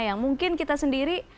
yang mungkin kita sendiri